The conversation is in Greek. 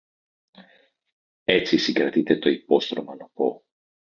Έτσι, συγκρατείται το υπόστρωμα νωπό.